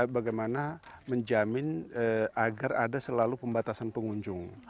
bagaimana menjamin agar ada selalu pembatasan pengunjung